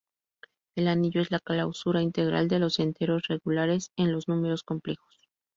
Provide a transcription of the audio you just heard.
El anillo es la clausura integral de los enteros regulares en los números complejos.